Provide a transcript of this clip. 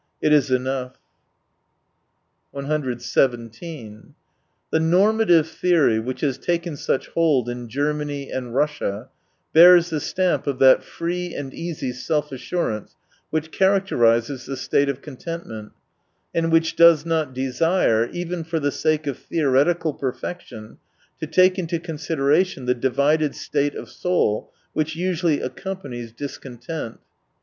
It is enough. 124 "7 " The normative theory," which has taken such hold in Germany and Russia, bears the stamp of that free and easy self assurance which characterises the state of content ment, and which does not desire, even for the sake of theoretical perfection, to take into consideration the divided state of soul which usually accompanies discontent.